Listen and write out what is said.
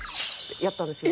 やったんですよ。